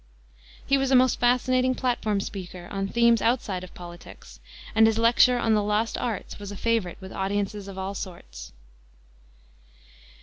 He was a most fascinating platform speaker on themes outside of politics, and his lecture on the Lost Arts was a favorite with audiences of all sorts.